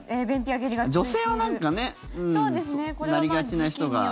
なりがちな人が。